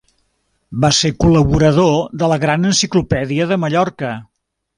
Va ser col·laborador de la Gran Enciclopèdia de Mallorca.